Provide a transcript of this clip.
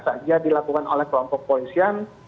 saja dilakukan oleh kelompok polisian